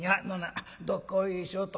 どっこいしょと」。